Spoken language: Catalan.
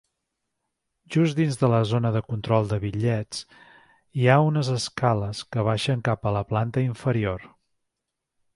Just dins de la zona de control de bitllets, hi ha unes escales que baixen cap a la planta inferior.